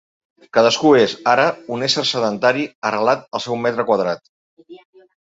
Cadascú és, ara, un ésser sedentari arrelat al seu metre quadrat.